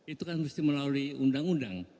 itu kan mesti melalui undang undang